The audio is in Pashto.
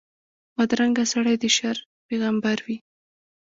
بدرنګه سړی د شر پېغمبر وي